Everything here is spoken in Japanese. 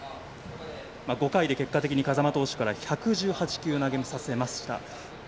５回で、結果的に風間投手に１１８球投げさせました。